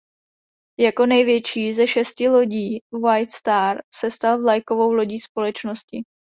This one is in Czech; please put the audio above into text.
Jako největší ze šesti lodí White Star se stal vlajkovou lodí společnosti.